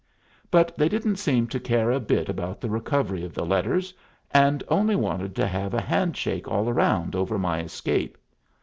'" But they didn't seem to care a bit about the recovery of the letters, and only wanted to have a hand shake all round over my escape.